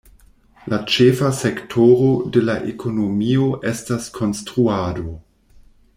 La ĉefa sektoro de la ekonomio estas konstruado.